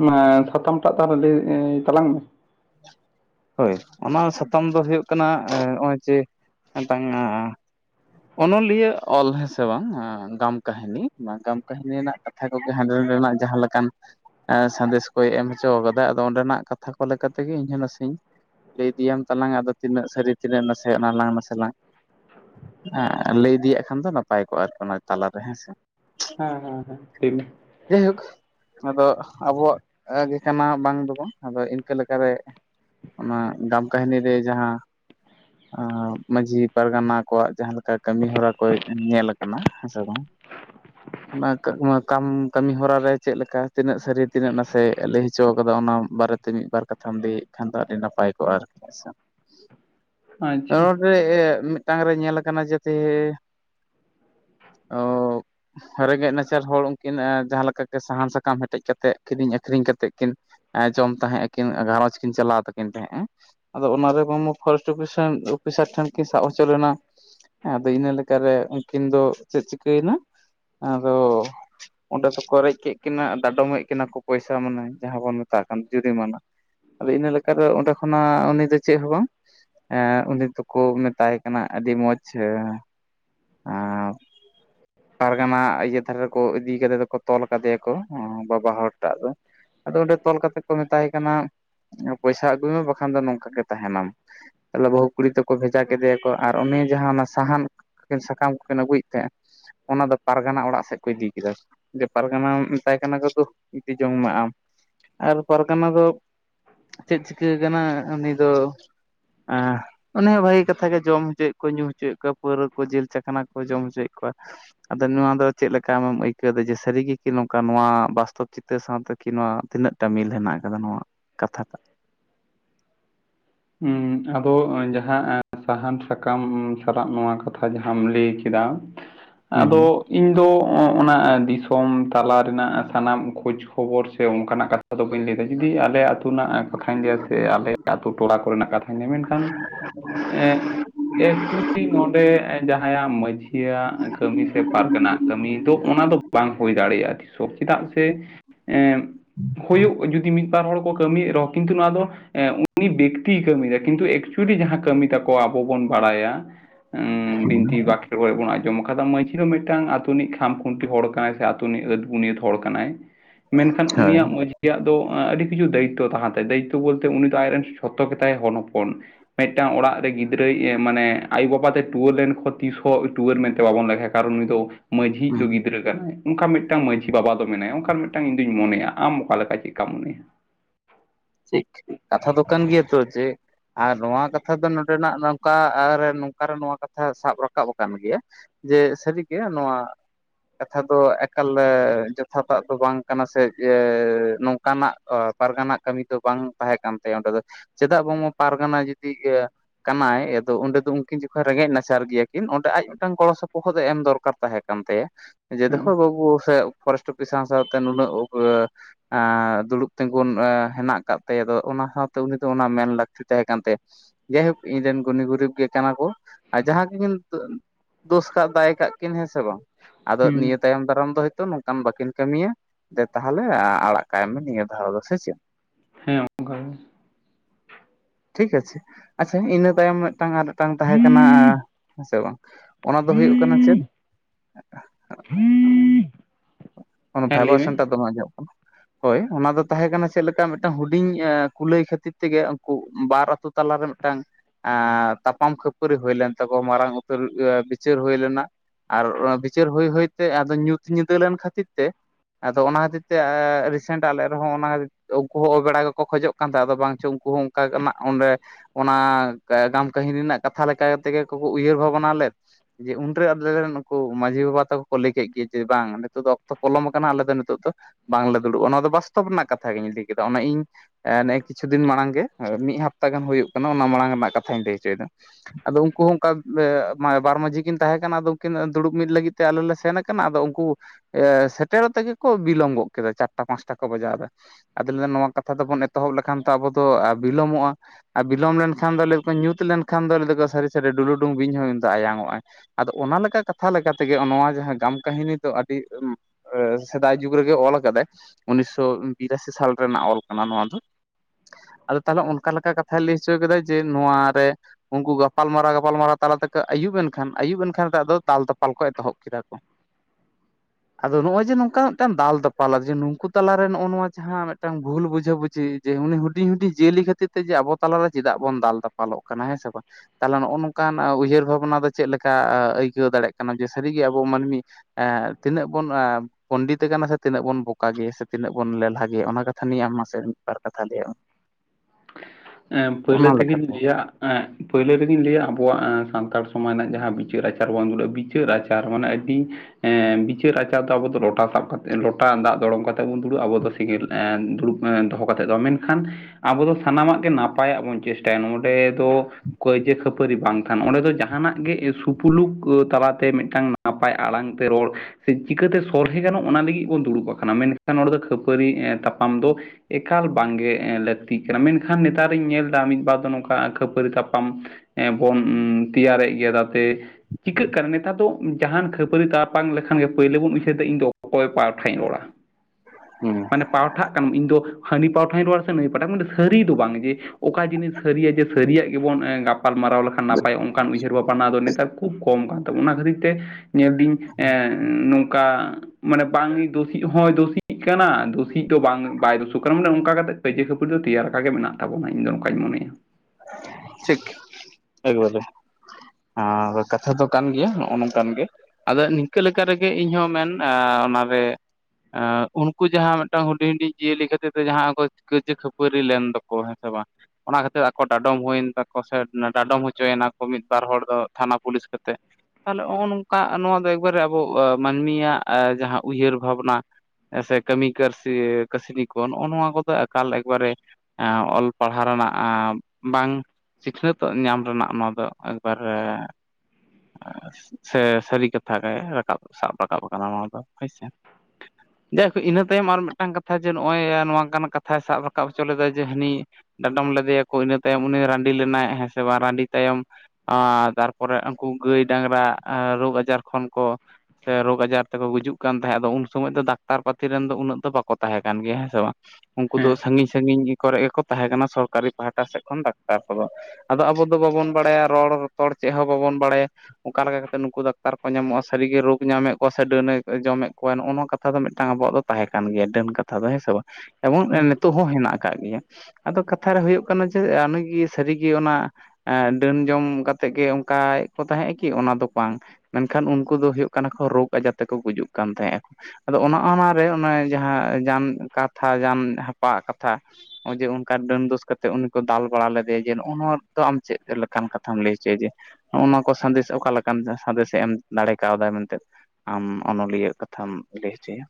ᱢᱟᱱᱮ ᱥᱟᱛᱟᱢ ᱴᱟᱜ ᱛᱟᱦᱞᱮ ᱞᱟᱹᱭ ᱛᱟᱞᱟᱝ ᱢᱮ᱾ ᱦᱳᱭ ᱚᱱᱟ ᱥᱟᱛᱟᱢ ᱫᱚ ᱦᱩᱭᱩᱜ ᱠᱟᱱᱟ, ᱚᱜᱼᱚᱭ ᱡᱮ ᱫᱟᱝ ᱟᱸ [unintelligible] ᱚᱱᱚᱞᱤᱭᱟᱹ ᱚᱞ ᱦᱮᱸᱥᱮ ᱵᱟᱝ ᱫᱟᱢ ᱠᱟᱹᱦᱱᱤ ᱫᱟᱢ ᱠᱟᱹᱦᱱᱤ ᱨᱮᱱᱟᱜ ᱠᱟᱛ ᱠᱟᱛᱷᱟ ᱠᱚᱜᱮ ᱦᱟᱸᱰᱮ ᱱᱟᱰᱮᱱᱟᱜ ᱡᱟᱦᱟᱸ ᱞᱮᱠᱟᱱ ᱥᱟᱸᱫᱮᱥ ᱠᱚᱭ ᱮᱢ ᱦᱚᱪᱚ ᱟᱠᱟᱫᱟ, ᱟᱫᱚ ᱚᱸᱰᱮᱱᱟᱜ ᱠᱟᱛᱷᱟ ᱠᱚ ᱞᱮᱠ ᱠᱟᱛᱮᱜ ᱜᱮ ᱤᱧ ᱦᱚ ᱱᱟᱥᱤᱧ ᱞᱟᱹᱭ ᱤᱭᱟᱢ ᱛᱟᱞᱟᱝ ᱟᱫᱚ ᱛᱤᱱᱟᱹᱜ ᱥᱟᱹᱨᱤ ᱛᱤᱱᱟᱹᱜ ᱱᱟᱥᱮ ᱚᱱᱟ ᱞᱟᱝ ᱱᱟᱥᱮ ᱞᱟᱝ ᱞᱟᱹᱭ ᱤᱫᱤᱭᱟᱜ ᱠᱷᱟᱱ ᱫᱚ ᱱᱟᱯᱟᱭ ᱠᱚᱜ-ᱟ ᱟᱨᱠᱤ ᱚᱱᱟ ᱛᱟᱞᱟ ᱨᱮ ᱦᱮᱸᱥᱮ? ᱦᱮᱸ ᱦᱮᱸ ᱦᱮᱸ ᱴᱷᱤᱠ ᱡᱟᱭ ᱦᱳᱠ ᱟᱫᱚ ᱟᱵᱚᱣᱟᱜ ᱜᱮ ᱠᱟᱱᱟ ᱵᱟᱝ ᱫᱚ ᱵᱟᱝ ᱟᱫᱚ ᱪᱤᱠᱟᱹ ᱞᱮᱠᱟ ᱨᱮ ᱚᱱᱟ ᱜᱟᱢ ᱠᱟᱹᱦᱤᱱᱤ ᱨᱮ ᱡᱟᱦᱟᱸ ᱢᱟᱺᱡᱷᱤ ᱯᱟᱨᱜᱟᱱᱟ ᱠᱚᱣᱟᱜ ᱡᱟᱸᱦᱟ ᱞᱮᱠᱟ ᱠᱟᱢᱤ ᱦᱚᱨᱟ ᱠᱚ ᱧᱮᱞ ᱟᱠᱟᱱᱟ ᱦᱮᱸ ᱥᱮ ᱵᱟᱝ [unintelligible] ᱚᱱᱟ ᱠᱟᱢ ᱠᱟᱢᱤ ᱦᱚᱨᱟ ᱨᱮ ᱪᱮᱫ ᱞᱮᱠᱟ ᱛᱤᱱᱟᱹᱜ ᱥᱟᱹᱨᱤ ᱛᱤᱱᱟᱹᱜ ᱱᱟᱥᱮ ᱞᱟᱹᱭ ᱦᱚᱪᱚ ᱟᱠᱟᱫᱟ ᱚᱱᱟ ᱵᱟᱨᱮ ᱛᱮ ᱢᱤᱫ ᱵᱟᱨ ᱠᱟᱛᱷᱟᱢ ᱞᱟᱹᱭ ᱮᱫ ᱠᱷᱟᱱ ᱫᱚ ᱟᱹᱰᱤ ᱱᱟᱯᱟᱭ ᱠᱚᱜ-ᱟ ᱟᱨ ᱠᱤ ᱟᱪᱪᱷᱟ ᱱᱚᱰᱮ ᱢᱤᱫᱴᱟᱝ ᱨᱮ ᱧᱮᱞ ᱟᱠᱟᱱᱟ ᱡᱟᱛᱮ [unintelligible] ᱚ ᱨᱮᱸᱜᱮᱡ ᱱᱟᱪᱟᱨ ᱦᱚᱲ ᱩᱱᱠᱤᱱ ᱡᱟᱦᱟᱸ ᱞᱮᱠᱟ ᱥᱟᱦᱟᱱ ᱥᱟᱠᱟᱢ ᱦᱮᱴᱮᱡ ᱠᱟᱛᱮᱫ ᱠᱤᱨᱤᱧ ᱟᱠᱷᱨᱤᱧ ᱠᱟᱛᱮᱜ ᱠᱤᱱ ᱟᱸᱡᱚᱢ ᱛᱟᱦᱮᱸᱜ ᱟᱹᱠᱤᱱ ᱜᱷᱟᱸᱨᱚᱸᱡᱽ ᱠᱤᱱ ᱪᱟᱞᱟᱣ ᱛᱟᱹᱠᱤᱱ ᱛᱟᱦᱮᱸᱜᱼᱟ ᱟᱫᱚ ᱚᱱᱟᱨᱮ ᱵᱟᱝ ᱢᱟ ᱯᱷᱚᱨᱮᱥᱴ ᱚᱯᱷᱤᱥ ᱴᱷᱮᱱ ᱚᱯᱷᱤᱥᱟᱨ ᱴᱷᱮᱱ ᱠᱤᱱ ᱥᱟᱵ ᱦᱚᱪᱚ ᱞᱮᱱᱟ᱾ ᱟᱫᱚ ᱤᱱᱟᱹ ᱞᱮᱠᱟ ᱨᱮ ᱩᱱᱠᱤᱱ ᱫᱚ ᱪᱮᱫ ᱪᱤᱠᱟᱹᱭᱮᱱᱟ, ᱟᱫᱚ ᱚᱸᱰᱮ ᱫᱚᱠᱚ ᱨᱮᱡ ᱠᱮᱫ ᱠᱤᱱᱟᱹ ᱰᱟᱰᱚᱢᱮᱫ ᱠᱤᱱᱟ ᱠᱚ ᱯᱚᱭᱥᱟ ᱢᱟᱱᱮ ᱡᱟᱦᱟᱸ ᱵᱚᱱ ᱢᱮᱛᱟᱜ ᱠᱟᱱ ᱡᱩᱨᱤ ᱢᱟᱱᱟ ᱟᱫᱚ ᱤᱱᱟᱹ ᱞᱮᱠᱟ ᱫᱚ ᱚᱸᱰᱮ ᱠᱷᱚᱱᱟᱜ ᱩᱱᱤ ᱫᱚ ᱪᱮᱫ ᱦᱚᱸ ᱵᱟᱝ ᱮᱸ ᱩᱱᱤ ᱫᱚᱠᱚ ᱢᱮᱛᱟᱭ ᱠᱟᱱᱟ ᱟᱹᱰᱤ ᱢᱚᱸᱡᱽ ᱮᱻ ᱟᱸᱻ ᱯᱟᱨᱜᱟᱱᱟ ᱤᱭᱟᱹ ᱫᱷᱟᱨᱮ ᱨᱮᱠᱚ ᱤᱫᱤ ᱠᱟᱫᱮ ᱫᱚᱠᱚ ᱛᱚᱞ ᱟᱠᱟᱫᱮᱭᱟ, ᱦᱚᱸ ᱵᱟᱵᱟ ᱦᱚᱲ ᱴᱟᱜ ᱫᱚ᱾ ᱟᱫᱚ ᱚᱸᱰᱮ ᱛᱚᱞ ᱠᱟᱛᱮᱜ ᱠᱚ ᱢᱮᱛᱟᱭ ᱠᱟᱱᱟ ᱯᱚᱭᱥᱟ ᱟᱹᱜᱩᱭ ᱢᱮ ᱵᱟᱠᱷᱟᱱ ᱫᱚ ᱱᱚᱝᱠᱟ ᱜᱮ ᱛᱟᱦᱮᱱᱟᱢ᱾ ᱛᱟᱞᱮ ᱵᱟᱹᱦᱩ ᱠᱩᱲᱤ ᱛᱮᱠᱚ ᱵᱷᱮᱡᱟ ᱠᱮᱫᱮᱭᱟᱠᱚ ᱟᱨ ᱩᱱᱤ ᱡᱟᱦᱟᱸ ᱚᱱᱟ ᱥᱟᱦᱟᱱ ᱮᱠᱮᱱ ᱥᱟᱠᱟᱢ ᱠᱚᱠᱤᱱ ᱟᱹᱜᱩᱭᱮᱫ ᱛᱟᱦᱮᱸᱜ ᱚᱱᱟ ᱫᱚ ᱯᱟᱨᱜᱟᱱᱟ ᱚᱲᱟᱜ ᱥᱮᱫ ᱠᱚ ᱤᱫᱤ ᱠᱮᱫᱟ ᱡᱮ ᱯᱟᱨᱜᱟᱱᱟ ᱢᱮᱛᱟᱭ ᱠᱟᱱᱟ ᱠᱚ ᱫᱩ ᱤᱫᱤ ᱡᱚᱝ ᱢᱮ ᱟᱢ, ᱟᱨ ᱯᱟᱨᱜᱟᱱᱟ ᱫᱚ ᱪᱮᱫ ᱪᱤᱠᱟᱹ ᱟᱠᱟᱱᱟ ᱩᱱᱤ ᱫᱚ ᱟᱸ ᱚᱱᱮ ᱦᱚᱸ ᱵᱷᱟᱹᱜᱤ ᱠᱟᱛᱷᱟ ᱜᱮ ᱡᱚᱢ ᱦᱚᱪᱚᱭᱮᱫ ᱠᱚ ᱧᱩᱸ ᱦᱚᱪᱚᱭᱮᱫ ᱠᱚᱣᱟ ᱯᱟᱹᱣᱨᱟᱹ ᱠᱚ ᱡᱤᱞ ᱪᱟᱠᱷᱟᱱᱟ ᱠᱚ ᱡᱚᱢ ᱦᱚᱪᱚᱭᱮᱫ ᱠᱚᱣᱟ᱾ ᱟᱫᱚ ᱱᱚᱣᱟ ᱫᱚ ᱪᱮᱫ ᱞᱮᱠᱟ ᱟᱢᱮᱢ ᱟᱹᱭᱠᱟᱹᱣ ᱫᱟ ᱡᱮ ᱥᱟᱹᱨᱤᱜᱤ ᱠᱤ ᱱᱚᱝᱠᱟ ᱱᱚᱣᱟ ᱵᱟᱥᱛᱚᱵ ᱪᱤᱛᱟᱹᱨ ᱥᱟᱶᱛᱮ ᱠᱤ ᱱᱚᱣᱟ ᱛᱤᱱᱟᱹᱜᱼᱴᱟ ᱢᱤᱞ ᱦᱮᱱᱟᱜ ᱟᱠᱟᱫᱟ ᱱᱚᱣᱟ ᱠᱟᱛᱷᱟ ᱛᱟᱜᱽ [inaudible] ᱩᱸ ᱟᱫᱚ ᱡᱟᱦᱟᱸ ᱥᱟᱦᱟᱱ ᱥᱟᱠᱟᱢ ᱥᱟᱞᱟᱜ ᱱᱚᱣᱟ ᱠᱟᱛᱷᱟ ᱡᱟᱦᱟᱸᱢ ᱞᱟᱹᱭ ᱠᱮᱫᱟ [inaudible] ᱟᱫᱚ ᱤᱧ ᱫᱚ ᱚᱱᱟ ᱫᱤᱥᱚᱢ ᱛᱟᱞᱟ ᱨᱮᱱᱟᱜ ᱥᱟᱱᱟᱢ ᱠᱷᱳᱡᱽ ᱠᱷᱚᱵᱚᱨ ᱥᱮ ᱚᱱᱠᱟᱱᱟᱜ ᱠᱟᱛᱷ ᱠᱚᱫᱚ ᱵᱟᱹᱧ ᱞᱟᱹᱭ ᱫᱟ ᱡᱩᱫᱤ ᱟᱞᱮ ᱟᱹᱛᱩ ᱨᱮᱱᱟᱜ ᱠᱟᱛᱷᱟᱧ ᱞᱟᱹᱭᱟ ᱥᱮ ᱟᱞᱮ ᱟᱛᱳ ᱴᱚᱞᱟ ᱠᱚᱨᱮᱱᱟᱜ ᱠᱟᱛᱷᱟᱧ ᱞᱟᱹᱭᱟ ᱢᱮᱱᱠᱷᱟᱱ ᱮᱸᱜ ᱮᱠᱪᱩᱭᱞᱤ ᱱᱚᱰᱮ ᱡᱟᱦᱟᱸᱭᱟᱜ ᱢᱟᱺᱡᱷᱤᱭᱟᱜ ᱠᱟᱹᱢᱤ ᱥᱮ ᱯᱟᱨᱜᱟᱱᱟᱜ ᱠᱟᱹᱢᱤ ᱛᱚ ᱚᱱᱟ ᱫᱚ ᱵᱟᱝ ᱦᱩᱭ ᱫᱟᱲᱮᱭᱟᱜᱼᱟ ᱛᱤᱥ ᱦᱚᱸ ᱪᱮᱫᱟᱜ ᱥᱮ ᱮᱸ ᱦᱩᱭᱩᱜ ᱡᱩᱫᱤ ᱢᱤᱫ ᱟᱨ ᱦᱚᱲ ᱠᱚ ᱠᱟᱹᱢᱤᱭᱮᱫ ᱨᱮᱦᱚᱸ ᱠᱤᱱᱛᱩ ᱱᱚᱣᱟ ᱫᱚ ᱮᱸ ᱩᱱᱤ ᱵᱮᱠᱛᱤᱭ ᱠᱟᱹᱢᱤᱭᱟ ᱠᱤᱱᱛᱩ ᱮᱠᱪᱩᱭᱞᱤ ᱡᱟᱦᱟᱸ ᱠᱟᱹᱢᱤ ᱛᱟᱠᱚ ᱟᱵᱚ ᱵᱚᱱ ᱵᱟᱲᱟᱭᱟ ᱩᱸᱻ ᱦᱩᱸ ᱵᱤᱱᱛᱤ ᱵᱟᱠᱷ [unintelligible] ᱵᱚᱱᱟᱭ ᱟᱸᱡᱚᱢ ᱟᱠᱟᱫᱟ ᱢᱟᱺᱡᱷᱤ ᱫᱚ ᱢᱤᱫᱴᱟᱝ ᱟᱛᱳ ᱨᱤᱱᱤᱡ ᱠᱷᱟᱢ ᱠᱷᱩᱱᱴᱤ ᱦᱚᱲ ᱠᱟᱱᱟᱭ ᱥᱮ ᱟᱛᱳ ᱨᱤᱱᱤᱡ ᱟᱹᱫ ᱵᱩᱱᱤᱭᱟᱹᱫᱽ ᱦᱚᱲ ᱠᱟᱱᱟᱭ ᱢᱮᱱᱠᱷᱟᱱ ᱦᱳᱭ ᱩᱱᱤᱭᱟᱜ ᱢᱟᱹᱪ ᱟᱭᱟᱜ ᱫᱚ ᱟᱹᱰᱤ ᱠᱤᱪᱷᱩ ᱫᱟᱭᱤᱛᱛᱚ ᱛᱟᱦᱮᱱ ᱛᱟᱭ ᱫᱟᱭᱤᱛᱛᱚ ᱵᱚᱞᱛᱮ ᱩᱱᱤ ᱫᱚ ᱟᱡᱨᱮ ᱡᱷᱚᱛᱚ ᱜᱮᱛᱟᱭ ᱦᱚᱱ ᱦᱚᱯᱚᱱ᱾ ᱢᱤᱫᱴᱟᱝ ᱚᱲᱟᱜ ᱨᱮ ᱜᱤᱫᱽᱨᱟᱹᱭ ᱢᱟᱱᱮ ᱟᱭᱳᱼᱵᱟᱵᱟ ᱛᱮ ᱴᱩᱣᱟᱹᱨ ᱞᱮᱱ ᱠᱷᱚ ᱛᱤᱥᱦᱚᱸ ᱴᱩᱣᱟᱹᱨ ᱢᱮᱱᱛᱮ ᱵᱟᱵᱚᱱ ᱞᱮᱠᱷᱟ ᱠᱚ ᱠᱟᱨᱚᱱ ᱱᱩᱭ ᱫᱚ ᱢᱟᱺᱡᱷᱤᱭᱤᱡᱽ ᱫᱚ ᱦᱩᱸ ᱜᱤᱫᱽᱨᱟᱹ ᱠᱟᱱᱟᱭ ᱚᱱᱠᱟ, ᱢᱤᱫᱴᱟᱝ ᱢᱟᱺᱡᱷᱤ ᱵᱟᱵᱟ ᱫᱚ ᱢᱮᱱᱟᱭᱟ ᱚᱱᱠᱟ ᱢᱤᱫ ᱢᱤᱫᱴᱟᱝ ᱤᱧᱫᱩᱧ ᱢᱚᱱᱮᱭᱟ, ᱟᱢ ᱚᱠᱟ ᱞᱮᱠᱟ ᱪᱮᱫᱠᱟᱢ ᱢᱚᱱᱮᱭᱟ? ᱴᱷᱤᱠ ᱠᱟᱛᱷᱟ ᱫᱚ ᱠᱟᱱ ᱜᱮᱭᱟ ᱛᱚ ᱪᱮ ᱟᱨ ᱱᱚᱣᱟ ᱠᱟᱛᱷᱟ ᱫᱚ ᱱᱚᱰᱮᱱᱟᱜ ᱱᱚᱝᱠᱟ, ᱟᱨ ᱱᱚᱝᱠᱟᱨᱮ ᱱᱚᱣᱟ ᱠᱟᱛᱷᱟ ᱥᱟᱵ ᱨᱟᱠᱟᱵ ᱟᱠᱟᱱ ᱜᱮᱭᱟ ᱾ ᱡᱮ ᱥᱟᱹᱨᱤᱜᱮ ᱱᱚᱣᱟ ᱠᱟᱛᱷᱟ ᱫᱚ ᱮᱠᱟᱞ ᱡᱚᱛᱷᱟᱛᱟᱜ ᱫᱚ ᱵᱟᱝ ᱠᱟᱱᱟ ᱥᱮ ᱮᱻ ᱱᱚ ᱠᱟᱱᱟᱜ ᱯᱟᱨᱜᱟᱱᱟ ᱠᱟᱹᱢᱤ ᱫᱚ ᱵᱟᱝ ᱛᱟᱦᱮᱸ ᱠᱟᱱ ᱛᱟᱭᱟ ᱚᱸᱰᱮ ᱫᱚ᱾ ᱪᱮᱫᱟᱜ ᱵᱟᱝ ᱢᱟ ᱯᱟᱨᱜᱟᱱᱟ ᱡᱩᱫᱤ ᱜᱮ ᱠᱟᱱᱟᱭ ᱟᱫᱚ ᱚᱸᱰᱮ ᱫᱚ ᱩᱱᱠᱤᱱ ᱡᱚᱠᱷᱚᱱ ᱨᱮᱸᱜᱮᱡ ᱱᱟᱪᱟᱨ ᱜᱮᱭᱟ ᱠᱤᱱ ᱚᱸᱰᱮ ᱟᱡ ᱢᱤᱫᱴᱟᱝ ᱜᱚᱲᱚ ᱥᱚᱯᱚᱦᱚᱫᱽ ᱮᱢ ᱫᱚᱨᱠᱟᱨ ᱛᱟᱦᱮᱸ ᱠᱟᱱ ᱛᱟᱭᱟ ᱡᱮ ᱦᱮᱸ ᱫᱚᱠᱷᱚᱞ ᱵᱟᱹᱵᱩ ᱥᱮ ᱯᱷᱚᱨᱮᱥᱴ ᱚᱯᱷᱤᱥ ᱥᱟᱶ ᱥᱟᱶ ᱛᱮ ᱱᱩᱱᱟᱹᱜ [unintelligible] ᱟᱸ ᱫᱩᱲᱩᱵ ᱛᱤᱸᱜᱩᱱ ᱟᱸ ᱦᱮᱱᱟᱜ ᱟᱠᱟᱫ ᱛᱟᱭᱟ ᱟᱫᱚ ᱚᱱᱟ ᱥᱟᱶ ᱛᱮ ᱩᱱᱤ ᱫᱚ ᱚᱱᱟ ᱢᱮᱱ ᱞᱟᱹᱠᱛᱤ ᱛᱟᱦᱮᱸ ᱠᱟᱱ ᱛᱟᱭᱟ ᱡᱟᱭᱦᱳᱠ ᱤᱧ ᱨᱮᱱ ᱜᱩᱱᱤ ᱜᱩᱨᱤᱵᱽ ᱜᱮ ᱠᱟᱱᱟ ᱠᱚ ᱟᱨ ᱡᱟᱦᱟᱸ ᱜᱮ ᱠᱚᱵᱤᱱ ᱛᱚ ᱫᱳᱥ ᱠᱟᱜ ᱫᱟᱭ ᱠᱟᱜ ᱠᱤᱱ ᱦᱮᱸ ᱥᱮ ᱵᱟᱝ ᱟᱫᱚ ᱦᱮᱸ ᱱᱤᱭᱟᱹ ᱛᱟᱭᱚᱢ ᱫᱟᱨᱟᱢ ᱫᱚ ᱦᱚᱳᱭ ᱛᱚ ᱱᱚᱝ ᱠᱟᱢ ᱵᱟᱹᱠᱤᱱ ᱠᱟᱹᱢᱤᱭᱟ ᱾ ᱫᱮ ᱛᱟᱦᱚᱞᱮ ᱟᱲᱟᱜ ᱠᱟᱭ ᱢᱮ ᱱᱤᱭᱟᱹ ᱫᱷᱟᱣ ᱫᱚ ᱥᱮ ᱪᱮᱫ, ᱦᱮᱸ ᱚᱱᱠᱟᱜᱮ ᱾ ᱴᱷᱤᱠ ᱟᱪᱷᱮ ᱟᱪᱷᱟ ᱤᱱᱟᱹ ᱛᱟᱭᱚᱢ ᱢᱤᱫᱴᱟᱝ ᱟᱨ ᱢᱤᱫᱴᱟᱝ ᱛᱟᱸᱦᱮ ᱠᱟᱱᱟ ᱦᱮᱸᱥᱮ ᱵᱟᱝ ᱾ ᱚᱱᱟ ᱫᱚ ᱦᱩᱭᱩᱜ ᱠᱟᱱᱟ ᱪᱮᱫ? ᱜᱮ ᱚᱱᱟ ᱦᱮᱸ ᱯᱷᱟᱭᱵᱟᱨ ᱞᱟᱹᱭ ᱢᱮ ᱥᱮᱱᱴᱟᱨ ᱫᱚ ᱵᱟᱝ ᱟᱸᱡᱚᱜ ᱠᱟᱱᱟ ᱾ ᱦᱚᱭ ᱚᱱᱟ ᱫᱚ ᱛᱟᱸᱦᱮ ᱠᱟᱱᱟ ᱪᱮᱫᱞᱮᱠᱟ ᱢᱤᱫᱴᱟᱝ -ᱢᱤᱫᱴᱟᱝ ᱦᱩᱰᱤᱧ ᱠᱩᱞᱟᱹᱭ ᱠᱷᱟᱹᱛᱤᱨ ᱛᱮᱜᱮ, ᱩᱱᱠᱩ ᱵᱟᱨ ᱟᱹᱛᱩ ᱛᱟᱞᱟᱨᱮ ᱢᱤᱫᱴᱟᱝ ᱟᱨ ᱛᱟᱯᱟᱢ ᱠᱷᱟᱹᱯᱟᱹᱨᱤ ᱦᱩᱭ ᱞᱮᱱ ᱛᱟᱠᱚᱣᱟ ᱢᱟᱨᱟᱝ ᱩᱛᱟᱹᱨ ᱵᱤᱪᱟᱹᱨ ᱦᱩᱭ ᱞᱮᱱᱟ ᱟᱨ ᱚᱱᱟ ᱵᱤᱪᱟᱹᱨ ᱦᱩᱭ-ᱦᱩᱭ ᱦᱚᱛᱮ, ᱟᱫᱚ ᱧᱩᱛ ᱧᱤᱫᱟᱹ ᱞᱮᱱ ᱠᱷᱟᱹᱛᱤᱨ ᱛᱮ, ᱟᱫᱚ ᱚᱱᱟ ᱠᱷᱟᱹᱛᱤᱨ ᱛᱮ ᱨᱤᱥᱮᱱᱴ ᱟᱞᱮ ᱨᱮᱦᱚᱸ ᱚᱱᱟ ᱩᱱᱠᱩ ᱦᱚᱸ ᱚᱵᱮᱲᱟ ᱜᱮᱠᱚ ᱠᱷᱚᱡᱚᱜ ᱠᱟᱱ ᱛᱟᱸᱦᱮᱫ, ᱟᱫᱚ ᱵᱟᱝᱪᱚ ᱩᱱᱠᱩ ᱦᱚ ᱚᱱᱠᱟᱱᱟᱜ ᱚᱸᱰᱮ ᱚᱱᱟ ᱜᱟᱢ ᱠᱟᱹᱦᱱᱤ ᱨᱮᱱᱟᱜ ᱠᱟᱛᱷᱟ ᱞᱮᱠᱟ ᱛᱮᱜᱮ ᱠᱚ ᱩᱭᱦᱟᱹᱨ ᱵᱷᱟᱵᱽᱱᱟ ᱞᱮᱫ ᱾ ᱡᱮ ᱩᱱᱨᱮ ᱟᱞᱮ ᱨᱮᱱ ᱱᱩᱠᱩ ᱢᱟᱺᱡᱷᱤ ᱵᱟᱵᱟ ᱛᱮᱠᱚ ᱠᱚ ᱞᱟᱹᱭ ᱠᱮᱫ ᱜᱮ, ᱡᱮ ᱵᱟᱝ ᱱᱤᱛᱚᱜ ᱫᱚ ᱚᱠᱛᱚ ᱯᱚᱞᱚᱢ ᱟᱠᱟᱱᱟ ᱟᱞᱮ ᱫᱚ ᱱᱤᱛᱚᱜ ᱫᱚ ᱵᱟᱝᱞᱮ ᱫᱩᱲᱩᱵᱼᱟ ᱾ ᱱᱟᱣᱟ ᱫᱚ ᱵᱟᱥᱛᱚᱵ ᱨᱮᱱᱟᱜ ᱠᱟᱛᱷᱟ ᱜᱤᱧ ᱞᱟᱹᱭ ᱠᱮᱫᱟ ᱚᱱᱟ ᱤᱧ ᱱᱮᱜᱼᱮ ᱠᱤᱪᱷᱩ ᱫᱤᱱ ᱢᱟᱲᱟᱝ ᱜᱮ ᱢᱤᱫ ᱦᱟᱯᱛᱟ ᱜᱟᱱ ᱦᱩᱭᱩᱜ ᱠᱟᱱᱟ ᱚᱱᱟ ᱢᱟᱲᱟᱝ ᱨᱮᱱᱟᱜ ᱠᱟᱛᱷᱟᱧ ᱞᱟᱹᱭ ᱦᱚᱪᱚᱭᱮᱫᱟ ᱾ ᱟᱫᱚ ᱩᱱᱠᱩ ᱦᱚᱸ ᱚᱱᱠᱟ ᱵᱟᱨ ᱢᱟᱺᱡᱷᱤ ᱠᱤᱱ ᱛᱟᱸᱦᱮ ᱠᱟᱱᱟ ᱾ ᱟᱫᱚ ᱩᱱᱠᱤᱱ ᱫᱩᱲᱩᱵ ᱢᱤᱫ ᱞᱟᱹᱜᱤᱫ ᱛᱮ ᱟᱞᱮ ᱞᱮ ᱥᱮᱱ ᱠᱟᱱᱟ ᱾ ᱟᱫᱚ ᱩᱱᱠᱩ ᱥᱮᱴᱮᱨᱚᱜ ᱛᱮᱜᱮ ᱠᱚ ᱵᱤᱞᱚᱢ ᱜᱚᱜ ᱠᱮᱫᱟ ᱪᱟᱨᱴᱟ ᱯᱟᱸᱪᱴᱟ ᱠᱚ ᱵᱟᱡᱟᱣ ᱮᱫᱟ ᱾ ᱟᱫᱚ ᱱᱚᱣᱟ ᱠᱟᱛᱷᱟ ᱫᱚᱵᱚᱱ ᱮᱛᱚᱦᱚᱵ ᱞᱮᱠᱷᱟᱱ ᱛᱚ ᱟᱵᱚ ᱫᱚ ᱵᱤᱞᱚᱢᱚᱜᱼᱟ ᱾ ᱟᱨ ᱵᱤᱞᱚᱢ ᱞᱮᱱᱠᱷᱟᱱ ᱫᱚ ᱞᱟᱹᱭ ᱫᱚᱠᱚ ᱧᱩᱛ ᱞᱮᱱᱠᱷᱟᱱ, ᱫᱚ ᱞᱟᱹᱭᱮᱫ ᱫᱚᱠᱚ ᱥᱟᱹᱨᱤ-ᱥᱟᱹᱨᱤ ᱰᱩᱞᱩᱰᱩᱝ ᱵᱤᱧ ᱦᱚᱸᱭ ᱩᱱᱫᱚ ᱟᱜᱟᱭᱟᱝ ᱚᱜᱼᱟ ᱾ ᱟᱫᱚ ᱚᱱᱟ ᱞᱮᱠᱟ ᱠᱟᱛᱷᱟ ᱞᱮᱠᱟ ᱛᱮᱜᱮ, ᱱᱚᱣᱟ ᱡᱟᱸᱦᱟ ᱜᱟᱢ ᱠᱟᱹᱦᱱᱤ ᱫᱚ ᱟᱹᱰᱤ ᱥᱮᱫᱟᱭ ᱡᱩᱜᱽ ᱨᱮᱜᱮ ᱚᱞ ᱠᱟᱫᱟᱭ ᱾ ᱩᱱᱤᱥᱥᱚ ᱵᱤᱨᱟᱥᱤ ᱥᱟᱞ ᱨᱮᱱᱟᱜ ᱚᱞ ᱠᱟᱱᱟ ᱱᱚᱣᱟ ᱫᱚ ᱾ ᱟᱫᱚ ᱛᱟᱦᱚᱞᱮ ᱚᱱᱠᱟ ᱞᱮᱠᱟ ᱠᱟᱛᱷᱟᱭ ᱞᱟᱹᱭ ᱦᱚᱪᱚ ᱠᱮᱫᱟ ᱡᱮ ᱱᱚᱣᱟ ᱨᱮ, ᱩᱱᱠᱩ ᱜᱟᱯᱟᱞ ᱢᱟᱨᱟᱣ- ᱜᱟᱯᱟᱞ ᱢᱟᱨᱟᱣ ᱛᱟᱞᱟ ᱛᱮᱠᱚ ᱟᱹᱭᱩᱵ ᱮᱱᱠᱷᱟᱱ, ᱟᱹᱭᱩᱵ ᱮᱱᱠᱷᱟᱱ ᱟᱫᱚ ᱫᱟᱞ ᱛᱟᱯᱟᱞ ᱠᱚ ᱮᱛᱚᱦᱚᱵ ᱠᱮᱫᱟ ᱠᱚ ᱾ ᱟᱫᱚ ᱱᱚᱜᱼᱚᱭ ᱡᱮ ᱱᱚᱝᱠᱟ ᱢᱤᱫᱴᱟᱝ ᱫᱟᱞ ᱫᱟᱯᱟᱞᱟ, ᱡᱮ ᱱᱩᱝᱠᱩ ᱛᱟᱞᱟᱨᱮ ᱱᱚᱜᱼᱚ ᱱᱚᱣᱟ ᱡᱟᱦᱟᱸ ᱢᱤᱫᱴᱟᱝ ᱵᱷᱩᱞ ᱵᱩᱡᱷᱟᱹ ᱵᱩᱡᱷᱤ, ᱡᱮ ᱩᱱᱤ ᱦᱩᱰᱤᱧ ᱦᱩᱰᱤᱧ ᱡᱤᱭᱟᱹᱞᱤ ᱠᱷᱟᱹᱤᱨ ᱛᱮ ᱡᱮ ᱟᱵᱚ ᱛᱟᱞᱟᱨᱮ ᱪᱮᱫᱟᱜ ᱵᱚᱱ ᱫᱟᱞ ᱫᱟᱯᱟᱞ, ᱯᱟᱞᱚᱜ ᱠᱟᱱᱟ ᱦᱮᱸ ᱥᱮ ᱵᱟᱝ ᱾ ᱛᱟᱦᱚᱞᱮ ᱱᱚᱜᱼᱚ ᱱᱚᱝᱠᱟᱱ ᱩᱭᱦᱟᱹᱨ ᱵᱷᱟᱵᱽᱱᱟ ᱫᱚ ᱪᱮᱫ ᱞᱮᱠᱟ ᱟᱹᱭᱠᱟᱹᱣ ᱫᱟᱲᱮᱭᱟᱜ ᱠᱟᱱᱟ, ᱡᱮ ᱥᱟᱹᱨᱤᱜᱮ ᱟᱵᱚ ᱢᱟᱹᱱᱢᱤ ᱮ ᱛᱤᱱᱟᱹᱜ ᱵᱚᱱ ᱯᱚᱱᱰᱤᱛ ᱠᱟᱱᱟ, ᱥᱮ ᱛᱤᱱᱟᱹᱜ ᱵᱚᱱ ᱵᱚᱠᱟ ᱜᱮᱭᱟ, ᱥᱮ ᱛᱤᱱᱟᱹᱜ ᱵᱚᱱ ᱞᱮᱞᱦᱟ ᱜᱮ ᱾ ᱚᱱᱟ ᱠᱟᱛᱷᱟ ᱱᱤᱭᱟᱹ ᱟᱢ ᱢᱟᱥᱮ ᱢᱤᱫ ᱵᱟᱨ ᱠᱟᱛᱷᱟ ᱞᱟᱹᱭᱟᱜᱢᱮ ᱾ ᱯᱩᱭᱞᱩ ᱛᱮᱜᱮᱧ ᱞᱮᱠᱟᱛᱮ ᱞᱟ. ᱭᱟᱜ [unintelligible] ᱯᱩᱭᱞᱩ ᱨᱮᱜᱤᱧ ᱞᱟᱹᱭᱟ ᱟᱵᱚᱣᱟᱜ ᱥᱟᱱᱛᱟᱲ ᱥᱚᱢᱟᱡᱽ ᱨᱮᱱᱟᱜ ᱡᱟᱦᱟᱸ ᱵᱤᱪᱟᱹᱨ-ᱟᱪᱟᱨ, ᱵᱚᱱ ᱫᱩᱲᱩᱵᱼᱟ ᱵᱤᱪᱟᱹᱨ- ᱟᱪᱟᱨ ᱢᱟᱱᱮ ᱟᱹᱰᱤ ᱮ ᱵᱤᱪᱟᱹᱨ ᱟᱪᱟᱨ ᱫᱚ ᱟᱵᱚ ᱫᱚ ᱞᱚᱴᱟ ᱥᱟᱵ ᱠᱟᱛᱮ, ᱞᱚᱴᱟ ᱫᱟᱜ ᱫᱚᱲᱚᱢ ᱠᱟᱛᱮ ᱵᱚᱱ ᱫᱩᱲᱩᱵ-ᱟ ᱟᱵᱚ ᱫᱚ ᱾ ᱜᱮ ᱫᱩᱲᱩᱵ ᱫᱚᱦᱚ ᱠᱟᱛᱮ ᱫᱚ, ᱢᱮᱱᱠᱷᱟᱱ ᱟᱵᱚ ᱫᱚ ᱥᱟᱱᱟᱢᱟᱜ ᱱᱟᱯᱟᱭᱟᱜ ᱵᱚᱱ ᱪᱮᱥᱴᱟᱭᱟ ᱱᱚᱰᱮ ᱫᱚ, ᱠᱚᱭᱡᱮ ᱠᱷᱟᱹᱯᱟᱹᱨᱤ ᱵᱟᱝ ᱠᱷᱟᱱ ᱚᱸᱰᱮ ᱫᱚ ᱡᱟᱦᱟᱱᱟᱜ ᱜᱮ ᱥᱩᱯᱩᱞᱩᱠ ᱛᱟᱞᱟᱛᱮ ᱢᱤᱫᱴᱟᱝ ᱱᱟᱯᱟᱭ ᱟᱲᱟᱝ ᱛᱮ ᱨᱚᱲ ᱥᱮ ᱪᱤᱠᱟᱹᱛᱮ ᱥᱚᱞᱦᱮ ᱜᱟᱱᱚᱜ ᱾ ᱚᱱᱟ ᱞᱟᱹᱜᱤᱫ ᱵᱚᱱ ᱫᱩᱲᱩᱵ ᱟᱠᱟᱱᱟ ᱢᱮᱱᱠᱷᱟᱱ ᱱᱚᱸᱰᱮ ᱫᱚ ᱠᱷᱟᱹᱯᱟᱹᱨᱤ ᱛᱟᱯᱟᱢ ᱫᱚ ᱮᱠᱟᱞ ᱵᱟᱝᱜᱮ ᱞᱟᱹᱠᱛᱤᱜ ᱠᱟᱱᱟ ᱢᱮᱱᱠᱷᱟᱱ ᱮᱠᱷᱟᱱ ᱱᱮᱛᱟᱨᱤᱧ ᱧᱮᱞᱫᱟ ᱾ ᱢᱤᱫ ᱵᱟᱨ ᱫᱚ ᱱᱚᱝᱠᱟ ᱠᱷᱟᱹᱯᱟᱹᱨᱤ ᱛᱟᱯᱟᱢ ᱮ ᱵᱚᱱ ᱛᱮᱭᱟᱨᱮᱫ ᱜᱮᱭᱟ ᱫᱟᱛᱮ ᱪᱤᱠᱟᱹᱜ ᱠᱟᱱᱟ ᱱᱮᱛᱟᱨ ᱫᱚ ᱡᱟᱦᱟᱱ ᱠᱷᱟᱹᱯᱟᱹᱨᱤ ᱛᱟᱯᱟᱢ ᱞᱮᱠᱷᱟᱱ ᱜᱮ ᱯᱳᱭᱞᱳ ᱵᱚᱱ ᱩᱭᱦᱟᱹᱨ ᱮᱫᱟ ᱤᱧ ᱫᱚ ᱚᱠᱚᱭ ᱯᱟᱦᱴᱷᱟᱧ ᱨᱚᱲᱟ᱾ [inaudible] ᱦᱮᱸ ᱢᱟᱱᱮ ᱯᱟᱣᱴᱷᱟᱜ ᱠᱟᱱᱟ ᱾ ᱤᱧ ᱫᱚ ᱦᱟᱹᱱᱤ ᱯᱟᱣᱴᱷᱟᱧ ᱨᱚᱲᱟ, ᱥᱮ ᱱᱟᱹᱭ ᱯᱟᱣᱴᱟᱣ ᱥᱟᱹᱨᱤ ᱵᱟᱝ ᱡᱮ ᱚᱠᱟ ᱡᱤᱱᱤᱥ ᱥᱟᱹᱨᱤᱭᱟ ᱡᱮ ᱥᱟᱹᱨᱤᱭᱟᱜ ᱜᱮᱵᱚᱱ ᱜᱟᱯᱟᱞ ᱢᱟᱨᱟᱣᱟ ᱾ ᱜᱟᱯᱟᱞ ᱢᱟᱨᱟᱣ ᱞᱮᱠᱷᱟᱱ ᱱᱟᱯᱟᱭ ᱾ ᱚᱱᱠᱟᱱ ᱩᱭᱦᱟᱹᱨ ᱵᱷᱟᱵᱽᱱᱟ ᱫᱚ ᱱᱮᱛᱟᱨ ᱠᱷᱩᱵ ᱠᱚᱢ ᱠᱟᱱ ᱛᱟᱵᱚᱱᱟ ᱾ ᱚᱱᱟ ᱠᱷᱟᱹᱛᱤᱨ ᱛᱮ ᱧᱮᱞᱫᱟᱹᱧ ᱱᱚᱝᱠᱟ ᱢᱟᱱᱮ ᱵᱟᱝ ᱫᱩᱥᱤᱜ ᱦᱚᱸᱭ ᱫᱩᱥᱤᱜ ᱠᱟᱱᱟ ᱾ ᱫᱩᱥᱤ ᱠᱟᱹᱡ ᱫᱚ ᱵᱟᱝ ᱵᱟᱭ ᱫᱩᱥᱩ ᱠᱟᱱᱟ ᱾ᱢᱟᱱᱮ ᱚᱱᱠᱟ ᱠᱟᱛᱮᱫ ᱠᱟᱹᱭᱡᱟᱹ ᱠᱷᱟᱹᱯᱟᱹᱨᱤ ᱫᱚ ᱛᱮᱭᱟᱨ ᱟᱠᱟᱜ ᱜᱮ ᱢᱮᱱᱟᱜ ᱛᱟᱵᱚᱱᱟ ᱾ ᱤᱧ ᱫᱚ ᱱᱚᱝᱠᱟᱧ ᱢᱚᱱᱮᱭᱟ ᱾ ᱪᱤᱠ ᱮᱜ ᱵᱟᱨᱮ ᱦᱮ ᱠᱟᱛᱷᱟ ᱫᱚ ᱠᱟᱱ ᱜᱮᱭᱟ ᱱᱚᱜᱼᱚ ᱱᱚᱝᱠᱟᱱ ᱜᱮ ᱾ ᱟᱫᱚ ᱱᱤᱝᱠᱟᱹ ᱞᱮᱠᱟ ᱨᱮᱜᱮ ᱤᱧᱦᱚᱸ ᱢᱮᱱ ᱚᱱᱟᱨᱮ ᱮᱸᱻ ᱩᱱᱠᱩ ᱡᱟᱦᱟᱸ ᱢᱤᱫᱴᱟᱝ ᱦᱩᱰᱤᱧ ᱦᱩᱰᱤᱧ ᱡᱤᱭᱟᱹᱞᱤ ᱠᱷᱟᱹᱛᱤᱨ ᱛᱮ ᱡᱟᱦᱟᱸ ᱠᱟᱹᱭᱡᱟᱹ ᱠᱷᱟᱹᱯᱟᱹᱨᱤ ᱞᱮᱱ ᱫᱚᱟᱠᱚ ᱦᱮᱸ ᱥᱮ ᱵᱟᱝ᱾ ᱚᱱᱟ ᱠᱷᱟᱹᱛ ᱟᱠᱚ ᱰᱟᱰᱚᱢ ᱦᱩᱭᱮᱱ ᱛᱟᱠᱚ ᱥᱮ ᱰᱟᱰᱚᱢ ᱦᱚᱪᱚᱭᱮᱱᱟᱠᱚ ᱢᱤᱫ ᱵᱟᱨ ᱦᱚᱲ ᱫᱚ ᱛᱷᱟᱱᱟ ᱯᱩᱞᱤᱥ ᱠᱟᱛᱮᱫ᱾ ᱛᱟᱦᱚᱞᱮ ᱱᱚᱜᱼᱚ ᱱᱚᱝᱠᱟ ᱱᱚᱣᱟ ᱫᱚ ᱮᱠᱵᱟᱨᱮ ᱟᱵᱚ ᱢᱟᱹᱱᱢᱤᱭᱟᱜ ᱡᱟᱦᱟᱸ ᱩᱭᱦᱟᱹᱨ ᱵᱷᱟᱵᱽᱱᱟ᱾ ᱥᱮ ᱠᱟᱹᱢᱤ ᱠᱟᱹᱨᱥᱤ ᱠᱟᱹᱥᱱᱤ ᱠᱚ ᱱᱚᱜᱼᱚ ᱱᱚᱣᱟ ᱠᱚᱫᱚ ᱮᱠᱟᱞ ᱮᱠᱵᱟᱨᱮ ᱮᱸ ᱚᱞ ᱯᱟᱲᱦᱟᱣ ᱨᱮᱱᱟᱜ ᱵᱟᱝ ᱥᱤᱠᱷᱱᱟᱹᱛᱚᱜ ᱧᱟᱢ ᱨᱮᱱᱟᱜ ᱱᱚᱣᱟ ᱫᱚ ᱮᱠᱵᱟᱨᱮ ᱥᱮ ᱥᱟᱹᱨᱤ ᱠᱟᱛᱷᱟ ᱜᱮ ᱨᱟᱠᱟᱵ ᱥᱟᱵ ᱨᱟᱠᱟᱵ ᱟᱠᱟᱱᱟ ᱱᱚᱣᱟ, ᱫᱚ ᱦᱳᱭᱥᱮ᱾ ᱡᱟᱭᱦᱳ ᱤᱱᱟᱹ ᱛᱟᱭᱚᱢ ᱟᱨ ᱢᱤᱫᱴᱟᱝ ᱠᱟᱛᱷᱟ ᱡᱮ ᱱᱚᱜᱼᱚᱭ ᱱᱚᱠᱟᱱ ᱠᱟᱛᱷᱟᱭ ᱥᱟᱵ ᱨᱟᱠᱟᱵ ᱦᱚᱪᱚ ᱞᱮᱫᱟ ᱡᱮ ᱦᱟᱹᱱᱤ ᱰᱟᱰᱚᱢ ᱞᱮᱫᱮᱭᱟ ᱠᱚ ᱤᱱᱟᱹ ᱛᱟᱭᱚᱢ ᱩᱱᱤ ᱨᱟᱺᱰᱤ ᱞᱮᱱᱟᱭ, ᱦᱮᱸ ᱥᱮ ᱵᱟᱝ ᱨᱟᱺᱰᱤ ᱛᱟᱭᱚᱢ, ᱟᱨ ᱛᱟᱨᱯᱚᱨᱮ ᱩᱱᱠᱩ ᱜᱟᱹᱭ ᱰᱟᱝᱨᱟ ᱨᱳᱜᱽ ᱟᱡᱟᱨ ᱠᱷᱚᱱ ᱠᱚ ᱥᱮ ᱨᱳᱜᱽ ᱟᱡᱟᱨ ᱛᱮᱠᱚ ᱜᱩᱡᱩᱜ ᱠᱟᱱ ᱛᱟᱦᱮᱸᱫ ᱟᱫᱚ ᱩᱱ ᱥᱚᱢᱚᱭ ᱫᱚ ᱰᱟᱠᱛᱟᱨ ᱯᱟᱹᱛᱤ ᱨᱮᱱ ᱫᱚ ᱩᱱᱟᱹᱜ ᱫᱚ ᱵᱟᱠᱚ ᱛᱟᱦᱮᱸ ᱠᱟᱱ ᱜᱮᱭᱟ ᱦᱮᱸ ᱥᱮ ᱵᱟᱝ᱾ ᱩᱱᱠᱩ ᱫᱚ ᱦᱮᱸ ᱥᱟᱺᱜᱤᱧ ᱥᱟᱺᱜᱤᱧ ᱠᱚᱨᱮ ᱜᱮᱠᱚ ᱛᱟᱦᱮᱸ ᱠᱟᱱᱟ, ᱥᱚᱨᱠᱟᱨᱤ ᱯᱟᱦᱴᱟ ᱥᱮᱫ ᱠᱷᱚᱱ ᱰᱟᱠᱛᱟᱨ ᱠᱚᱫᱚ᱾ ᱟᱫᱚ ᱟᱵᱚ ᱫᱚ ᱵᱟᱵᱚᱱ ᱵᱟᱲᱟᱭᱟ ᱨᱚᱲ ᱨᱚᱛᱚᱲ ᱪᱮᱫ ᱦᱚᱸ ᱵᱟᱵᱚᱱ ᱵᱟᱲᱟᱭᱟ᱾ ᱚᱠᱟ ᱞᱮᱠᱟ ᱠᱟᱛᱮᱮᱫ ᱱᱩᱠᱩ ᱰᱟᱠᱛᱟᱨ ᱠᱚ ᱧᱟᱢᱚᱜᱼᱟ ᱥᱟᱹᱨᱤᱮ ᱨᱳᱜᱽ ᱧᱟᱢᱮᱫ ᱠᱚᱣᱟ ᱥᱮ ᱰᱟᱹᱱ ᱮ ᱡᱚᱢᱮᱫ ᱠᱚᱣᱟ ᱱᱚᱜᱼᱚ ᱱᱚᱣᱟ ᱠᱟᱛᱷᱟ ᱫᱚ ᱢᱤᱫᱴᱟᱝ ᱟᱵᱚᱣᱟᱜ ᱫᱚ ᱛᱟᱦᱮᱸ ᱠᱟᱱ ᱜᱮᱭᱟ ᱰᱟᱹᱱ ᱠᱟᱛᱷᱟ ᱫᱚ ᱦᱮᱸ ᱥᱮ ᱵᱟᱝ ᱮᱵᱚᱝ ᱱᱤᱛᱚᱜ ᱦᱚᱸ ᱦᱮᱱᱟᱜ ᱟᱠᱟᱫ ᱜᱮᱭᱟ ᱟᱫᱚ᱾ ᱠᱟᱛᱷᱟᱮ ᱦᱩᱭᱩᱜ ᱠᱟᱱᱟ ᱡᱮ ᱩᱱᱤᱮ ᱥᱟᱹᱨᱤᱜᱮ ᱚᱱᱟ ᱮ ᱰᱟᱹᱱ ᱡᱚᱢ ᱠᱟᱛᱮᱮᱫ ᱜᱮ ᱚᱱᱠᱟ ᱠᱚ ᱛᱟᱦᱮᱸᱫᱼᱟ ᱠᱤ ᱚᱱᱟ ᱫᱚ ᱵᱟᱝ᱾ ᱢᱮᱱᱠᱷᱟᱱ ᱩᱱᱠᱩ ᱫᱚ ᱦᱩᱭᱩᱜ ᱠᱟᱱᱟ ᱠᱚ ᱨᱳᱜᱽ ᱟᱡᱟᱨ ᱛᱮᱠᱚ ᱜᱩᱡᱩᱜ ᱠᱟᱱ ᱛᱟᱦᱮᱸᱼᱟ ᱠᱚ᱾ ᱟᱫᱚ ᱚᱱᱮ ᱚᱱᱟᱨᱮ ᱚᱱᱮ ᱡᱟᱦᱟᱸ ᱡᱟᱱ ᱠᱟᱛᱷᱟ ᱡᱟᱱ ᱦᱟᱯᱟ ᱠᱟᱛᱷᱟ᱾ ᱚ ᱡᱮ ᱚᱱᱠᱟ ᱰᱟᱹᱱ ᱫᱚ ᱠᱟᱛᱮ ᱩᱱᱤ ᱠᱚ ᱫᱟᱞ ᱵᱟᱲᱟ ᱞᱮᱫᱮᱭᱟ ᱡᱮ ᱱᱚᱜᱚ ᱱᱚᱣᱟ ᱫᱚ ᱟᱢ ᱪᱮᱫ ᱞᱮᱠᱟᱱ ᱠᱟᱛᱷᱟᱢ ᱞᱟᱹᱭ ᱦᱚᱪᱚᱭᱟ ᱾ ᱱᱚᱜᱼ ᱱᱚᱣᱟ ᱠᱚ ᱥᱟᱸᱫᱮᱥ ᱚᱠᱟ ᱞᱮᱠᱟᱱ ᱥᱟᱸᱫᱮᱥᱮ ᱮᱢ ᱫᱟᱲᱮ ᱠᱟᱣᱫᱟᱭ ᱢᱮᱱᱛᱮ᱾ ᱟᱢ ᱚᱱᱚᱞᱤᱭᱟᱹ ᱠᱟᱛᱷᱟᱢ ᱞᱟᱹᱭ ᱦᱚᱪᱚᱭᱟ᱾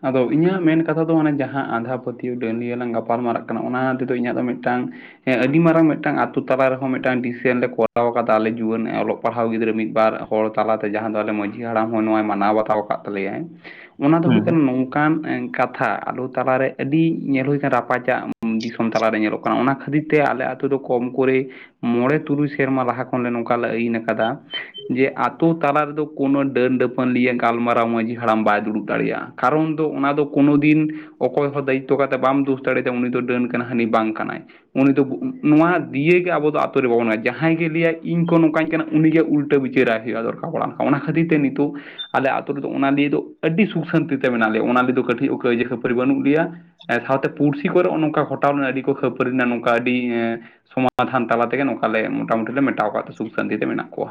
ᱟᱫᱚ ᱤᱧᱟᱹᱜ ᱢᱮᱱ ᱠᱟᱛᱷᱟ ᱫᱚᱟᱱᱮ ᱡᱟᱦᱟᱸ ᱟᱸᱫᱷᱟ ᱯᱟᱹᱛᱭᱟᱹᱣ ᱰᱟᱹᱞᱭᱟᱹ ᱞᱟᱝ ᱜᱟᱯᱟᱞ ᱢᱟᱨᱟᱜ ᱠᱟᱱᱟ ᱚᱱᱟ ᱛᱮᱫᱚ ᱤᱧᱟᱹᱜ ᱫᱚ ᱢᱤᱫᱴᱟᱝ ᱦᱮ ᱟᱹᱰᱤ ᱢᱟᱨᱟᱝ ᱢᱤᱫᱴᱟᱝ ᱟᱛᱳ ᱛᱟᱞᱟ ᱨᱮᱦᱚᱸ ᱢᱤᱫᱴᱟᱝ ᱰᱤᱥᱮᱱ ᱞᱮ ᱠᱚᱨᱟᱣ ᱠᱟᱫᱟ, ᱟᱞᱮ ᱡᱩᱣᱟᱹᱱ ᱚᱞᱚᱜ ᱯᱟᱲᱦᱟᱣ ᱜᱤᱫᱽᱨᱟᱹ ᱢᱤᱫ ᱵᱟᱨ ᱦᱚᱲ ᱛᱟᱞᱟᱛᱮ ᱡᱟᱦᱟᱸ ᱫᱚ ᱟᱞᱮ ᱢᱟᱺᱡᱷᱤ ᱦᱟᱲᱟᱢ ᱦᱚᱸ ᱱᱚᱣᱟᱭ ᱢᱟᱱᱟᱣ ᱵᱟᱛᱟᱣ ᱟᱠᱟᱫ ᱛᱟᱞᱮᱭᱟᱭ᱾ [inaudible] ᱚᱱᱟ ᱫᱚ ᱦᱩᱭᱩᱜ ᱠᱟᱱᱟ ᱱᱚᱝᱠᱟᱱ ᱠᱟᱛᱷᱟ ᱟᱞᱚ ᱛᱟᱞᱟᱨᱮ ᱟᱹᱰᱤ ᱧᱮᱞ ᱦᱩᱭ ᱟᱠᱟᱱᱟ ᱨᱟᱯᱟᱪᱟᱜ ᱫᱤᱥᱚᱢ᱾ ᱛᱟᱞᱟᱨᱮ ᱧᱮᱞᱚᱜ ᱠᱟᱱᱟ, ᱚᱱᱟ ᱠᱷᱟᱹᱛᱤᱨ ᱛᱮ ᱟᱞᱮ ᱟᱛᱳ ᱫᱚ ᱠᱚᱢ ᱠᱚᱨᱮ ᱢᱚᱬᱮ ᱛᱩᱨᱩᱭ ᱥᱮᱨᱢᱟ ᱞᱟᱦᱟ ᱠᱷᱚᱱᱞᱮ ᱱᱚᱝᱠᱟ ᱞᱮ ᱟᱹᱭᱤᱱ ᱟᱠᱟᱫᱟ᱾ ᱡᱮ ᱟᱛᱳ ᱛᱟᱞᱟ ᱨᱮᱫᱚ ᱠᱳᱱᱳ ᱰᱟᱹᱱ ᱰᱟᱹᱯᱟᱹᱱ ᱞᱤᱭ ᱜᱟᱞᱢᱟᱨᱟᱣ ᱢᱟᱺᱡᱷᱤ ᱦᱟᱲᱟᱢ ᱵᱟᱭ ᱫᱩᱲᱩᱵ ᱫᱟᱲᱮᱭᱟᱜᱼᱟ᱾ ᱠᱟᱨᱚᱱ ᱫᱚ ᱚᱱᱟ ᱫᱚ ᱠᱳᱱᱳ ᱫᱤᱱ ᱚᱠᱚᱭ ᱦᱚᱸ ᱫᱟᱭᱤᱛᱛᱚ ᱠᱟᱛᱮ ᱵᱟᱢ ᱫᱳᱥ ᱫᱟᱲᱮᱭᱟᱫᱟᱟ ᱩᱱᱤ ᱫᱚ ᱰᱟᱹᱱ ᱠᱟᱱᱟ ᱦᱟᱹᱱᱤ ᱵᱟᱝ ᱠᱟᱱᱟᱭ᱾ ᱩᱱᱤ ᱫᱚ ᱱᱚᱣᱟ ᱫᱤᱭᱮᱜᱮ ᱟᱵᱚ ᱫᱚ ᱟᱛᱳ ᱨᱮ ᱵᱟᱵᱚᱱ ᱡᱟᱦᱟᱸᱭ ᱜᱮ ᱞᱟᱹᱭᱭᱟ ᱤᱧ ᱠᱚ ᱱᱚᱝᱠᱟᱧ ᱠᱟᱱᱟ ᱩᱱᱤᱜᱮ ᱩᱞᱴᱟᱹ ᱵᱤᱪᱟᱹᱨᱟᱭ ᱢᱮ ᱦᱩᱭᱩᱜᱼᱟ ᱫᱚᱨᱠᱟᱨ ᱚᱱᱟ ᱠᱷᱟᱹᱛᱤᱨ ᱛᱮ ᱱᱤᱛᱚᱜ ᱟᱞᱮ ᱟᱛ ᱨᱮᱫᱚ ᱚᱱᱟ ᱱᱤᱭᱮ ᱫᱚ ᱟᱹᱰᱤ ᱥᱩᱠ ᱥᱟᱱᱛᱤ ᱢᱮᱱᱟᱜ ᱞᱮᱭᱟ ᱚᱱᱟ ᱨᱮᱫᱚ ᱫᱚ ᱠᱟᱹᱴᱤᱡ ᱚᱠᱚᱭ ᱡᱮ ᱠᱷᱟᱹᱯᱟᱹᱨᱤ ᱵᱟᱹᱱᱩᱜ ᱞᱮᱭᱟ᱾ ᱮ ᱥᱟᱶᱛᱮ ᱯᱩᱲᱥᱤ ᱠᱚᱨᱮᱜ ᱱᱚᱜ ᱱᱚᱝᱠᱟ ᱜᱚᱴᱟᱣ ᱞᱮᱱᱟ ᱟᱹᱰᱤ ᱠᱚ ᱠᱷᱟᱹᱯᱟᱹᱨᱤᱱᱟ ᱱᱚᱝᱠᱟ, ᱟᱹᱰᱤ ᱮᱸᱻ᱾ ᱥᱚᱢᱟᱫᱷᱟᱱ ᱛᱟᱞᱟ ᱛᱮᱜᱮ ᱱᱚᱝᱠᱟ ᱞᱮ ᱢᱚᱴᱟᱢᱩᱴᱤ ᱞᱮ ᱢᱮᱴᱟᱣ ᱟᱠᱟᱫ ᱥᱩᱠ ᱥᱟᱱᱛᱤ ᱛᱮ ᱢᱮᱱᱟᱜ ᱠᱚᱣᱟ᱾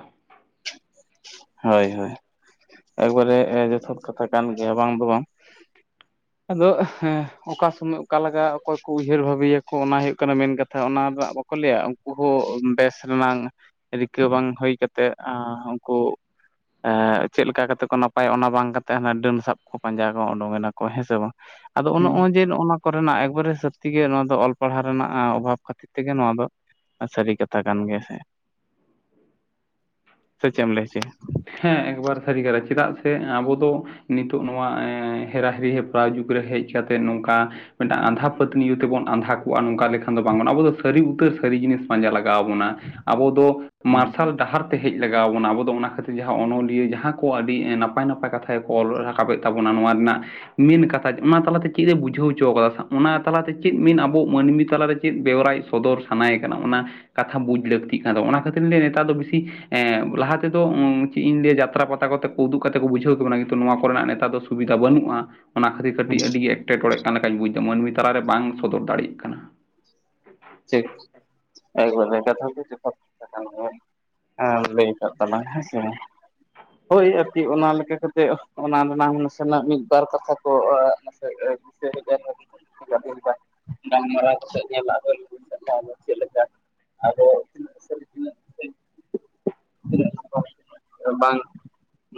ᱦᱳᱭ ᱦᱳᱭ ᱮᱠᱵᱟᱨᱮ ᱡᱚᱛᱷᱟᱛ ᱠᱟᱛᱷᱟ ᱠᱟᱱ ᱜᱮᱭᱟ ᱵᱟᱝ ᱫᱚ ᱵᱟᱝ ᱟᱫᱚ ᱮᱸ ᱚᱠᱟ ᱥᱚᱢᱚᱭ ᱚᱠᱟᱞᱟᱜᱟᱜ ᱚᱠᱚᱭ ᱠᱚ ᱩᱭᱦᱟᱹᱨ ᱵᱟᱹᱵᱤᱭᱟᱠᱚ ᱚᱱᱟ ᱦᱩᱭᱩᱜ ᱠᱟᱱᱟ ᱢᱮᱱ ᱠᱟᱛᱷᱟ ᱚᱱᱟ ᱨᱮᱱᱟᱜ᱾ ᱠᱚ ᱞᱟᱹᱭᱟ ᱩᱱᱠᱩ ᱦᱚᱸ ᱵᱮᱥ ᱨᱮᱱᱟᱝ ᱨᱤᱠᱟᱹ ᱵᱟᱝ ᱦᱩᱭ ᱠᱟᱛᱮ ᱛᱮ ᱟᱸᱻ ᱩᱱᱠᱩ ᱪᱮᱫ ᱞᱮᱠᱟ ᱠᱟᱛᱮ ᱠᱚ ᱱᱟᱯᱟᱭᱚᱜ ᱚᱱᱟ ᱵᱟᱝ ᱠᱟᱛᱮ ᱦᱟᱱᱟ ᱰᱟᱹᱱ ᱥᱟᱵ ᱠᱚ ᱯᱟᱸᱡᱟ ᱩᱰᱩᱠᱮᱱᱟ ᱠᱚ ᱦᱮᱸ ᱥᱮ ᱵᱟᱝ᱾ ᱟᱫᱚ ᱦᱩᱸ ᱱᱚᱜᱼᱚᱭ ᱡᱮ ᱱᱚᱜ ᱱᱚᱣᱟ ᱠᱚᱨᱮᱱᱟᱜ ᱮᱠᱵᱟᱨᱮ ᱥᱟᱹᱛᱛᱤᱜᱮ ᱱᱚᱣᱟ ᱫᱚ ᱚᱞ ᱯᱟᱲᱦᱟᱣ ᱨᱮᱱᱟᱜ ᱚᱵᱷᱟᱵᱽ ᱠᱷᱟᱹᱛᱤᱨ ᱛᱮᱜᱮ ᱱᱚᱣᱟ ᱫᱚ᱾ ᱥᱟᱹᱨᱤ ᱠᱟᱛᱷᱟ ᱠᱟᱱ ᱜᱮᱭᱟ ᱥᱮ᱾ ᱥᱮ ᱪᱮᱢ ᱞᱟᱹᱭ ᱪᱚᱭ-ᱟ? ᱦᱮᱸ ᱮᱠᱵᱟᱨ ᱥᱟᱹᱨᱤ ᱠᱟᱛᱷᱟ ᱪᱮᱫᱟᱜ ᱥᱮ ᱟᱵᱚ ᱫᱚ, ᱱᱤᱛᱚᱜ ᱱᱚᱣᱟ ᱦᱮᱨᱟ ᱦᱤᱨᱤ ᱦᱮᱯᱨᱟᱣ ᱡᱩᱜᱽ ᱨᱮ ᱦᱮᱡ ᱠᱟᱛᱮᱜ ᱱᱚᱝᱠᱟ ᱢᱤᱫᱴᱟᱝ ᱟᱸᱫᱷᱟ ᱯᱟᱹᱛᱭᱟᱹᱣ ᱛᱮᱵᱚᱱ ᱟᱸᱫᱷᱟ ᱠᱚᱜᱼᱟ ᱱᱚᱝᱠᱟ ᱞᱮᱠᱷᱟᱱ ᱫᱚ ᱵᱟᱝ ᱜᱟᱱᱚᱜᱼᱟ ᱟᱵᱚ ᱫᱚ ᱥᱟᱹᱨᱤ ᱩᱛᱟᱹᱨ ᱥᱟᱹᱨᱤ ᱡᱤᱱᱤᱥ ᱯᱟᱸᱡᱟ ᱞᱟᱜᱟᱣ ᱟᱵᱚᱱᱟ ᱟᱵᱚ ᱫᱚ ᱢᱟᱨᱥᱟᱞ ᱰᱟᱦᱟᱨ ᱛᱮ ᱦᱮᱡ ᱞᱟᱜᱟᱣ ᱟᱵᱚᱱᱟ ᱟᱵᱚ ᱫᱚ ᱚᱱᱟ ᱠᱷᱟᱹᱛᱤᱨ ᱥᱮ ᱡᱟᱦᱟᱸ ᱚᱱᱚᱞᱤᱭᱟᱹ ᱡᱟᱦᱟᱸ ᱠᱚ ᱟᱹᱰᱤ ᱱᱟᱯᱟᱭ ᱱᱟᱯᱟᱭ ᱠᱟᱛᱷᱟ ᱜᱮᱠᱚ ᱚᱞ ᱨᱟᱠᱟᱵᱮᱫ ᱛᱟᱵᱚᱱᱟ ᱱᱚᱣᱟ ᱨᱮᱱᱟᱜ, ᱢᱮᱱ ᱠᱟᱛᱷᱟ ᱚᱱᱟ ᱛᱟᱞᱟᱛᱮ ᱪᱮᱫ ᱮ ᱵᱩᱡᱷᱟᱹᱣ ᱦᱚᱪᱚ ᱠᱟᱫᱟ, ᱚᱱᱟ ᱛᱟᱞᱟᱛᱮ ᱪᱮᱫ ᱢᱮᱱ ᱟᱵᱚ ᱢᱟᱹᱱᱢᱤ ᱛᱟᱞᱟ ᱨᱮ ᱪᱮᱫ ᱵᱮᱣᱨᱟᱭ ᱥᱚᱫᱚᱨ ᱥᱟᱱᱟᱭᱮ ᱠᱟᱱᱟ ᱚᱱᱟ ᱠᱟᱛᱷᱟ ᱵᱩᱡᱽ ᱞᱟᱹᱠᱛᱤᱜ ᱠᱟᱱ ᱚᱱᱟ ᱠᱷᱟᱹᱛᱤᱨ ᱱᱮᱛᱟᱨ ᱫᱚ ᱵᱮᱥᱤ ᱮᱜ ᱞᱟᱦᱟ ᱛᱮᱫᱚ ᱪᱮᱫ ᱤᱧ ᱞᱟᱹᱭᱟ ᱡᱟᱛᱨᱟ ᱯᱟᱛᱟ ᱠᱚ ᱠᱟᱛᱮ ᱠᱚ ᱩᱫᱩᱜ ᱠᱟᱛᱮᱜ ᱠᱚ ᱵᱩᱷᱟᱹᱣ ᱟᱵᱚᱱᱟ ᱠᱤᱱᱛᱩ ᱱᱚᱣᱟ ᱠᱚᱨᱮᱱᱟᱜ ᱱᱮᱛᱟᱨ ᱫᱚ ᱥᱩᱵᱤᱫᱷᱟ ᱵᱟᱹᱱᱩᱜᱼᱟ ᱚᱱᱟ ᱠᱷᱟᱹᱛᱤᱨ ᱠᱟᱹᱴᱤᱡ ᱟᱹᱰᱤ ᱮᱴᱠᱮᱴᱚᱬᱮᱜ ᱠᱟᱱ ᱞᱮᱠᱟᱧ ᱵᱩᱡᱽ ᱮᱫᱟ ᱢᱟᱹᱱᱢᱤ ᱛᱟᱞᱟᱨᱮ ᱵᱟᱝ ᱥᱚᱫᱚᱨ ᱫᱟᱲᱮᱭᱟᱜ ᱠᱟᱱᱟ᱾ ᱴᱷᱤᱠ ᱮᱠᱵᱟᱨᱮ ᱡᱚᱛᱷᱟᱛ ᱞᱟᱹᱭ ᱠᱮᱫ ᱛᱟᱞᱟᱝ ᱦᱮᱸᱥᱮ ᱦᱳᱭ ᱟᱨᱠᱤ ᱚᱱᱟ ᱞᱮᱠᱟ ᱠᱟᱛᱮᱜ ᱚᱱᱟ ᱨᱮᱱᱟᱝ ᱱᱟᱥᱮᱱᱟᱜ ᱢᱤᱫ ᱵᱟᱨ ᱠᱟᱛᱷᱟ ᱠᱚ ᱱᱟᱥᱮ [unintelligible] ᱜᱟᱞᱢᱟᱨᱟᱣ ᱯᱟᱥᱮᱡ ᱧᱮᱞᱟᱜ ᱵᱮᱱ ᱚᱱᱟ ᱪᱮᱫ ᱞᱮᱠᱟ ᱟᱫᱚ ᱵᱟᱝ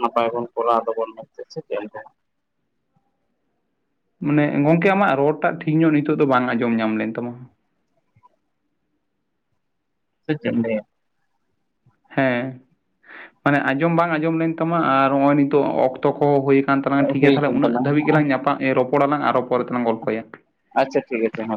ᱱᱟᱯᱟᱭ ᱵᱚᱱ ᱠᱚᱨᱟᱣ ᱫᱟᱵᱚᱱ ᱢᱟᱱᱮ ᱜᱚᱝᱠᱮ ᱟᱢᱟᱜ ᱨᱚᱲ ᱴᱟᱜ ᱴᱷᱤᱠ ᱧᱚᱜ ᱱᱤᱛᱚᱜ ᱫᱚ ᱵᱟᱝ ᱟᱸᱡᱚᱢ ᱧᱟᱢ ᱞᱮᱱ ᱛᱟᱢᱟ᱾ [inaudible] ᱦᱮᱸ ᱢᱟᱱᱮ ᱟᱸᱡᱚᱢ ᱵᱟᱝ ᱟᱸᱡᱚᱢ ᱞᱮᱱ ᱛᱟᱢᱟ ᱟᱨ ᱱᱚᱜᱼᱚᱭ ᱱᱤᱛᱚᱜ ᱚᱠᱛᱚ ᱚᱠᱛᱚ ᱠᱚ ᱦᱩᱭ ᱠᱟᱱ ᱛᱟᱞᱟᱝ ᱴᱷᱤᱠ ᱜᱮᱭᱟ ᱦᱩᱭ ᱛᱟᱦᱚᱞᱮ ᱠᱟᱱ ᱩᱱᱟᱹᱜ ᱛᱟᱞᱟᱝ ᱫᱷᱟᱹᱵᱤᱡ ᱜᱮᱞᱟᱝ ᱧᱟᱯᱟ ᱨᱚᱯᱚᱲᱟᱞᱟᱝ ᱟᱨ ᱯᱚᱨᱮ ᱛᱮᱞᱟᱝ ᱜᱚᱞᱯᱚᱭᱟ ᱟᱪᱪᱷᱟ ᱴᱷᱤᱠ ᱜᱮᱭᱟ